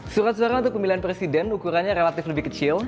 surat suara untuk pemilihan presiden ukurannya relatif lebih kecil